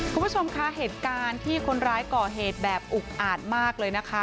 คุณผู้ชมคะเหตุการณ์ที่คนร้ายก่อเหตุแบบอุกอาจมากเลยนะคะ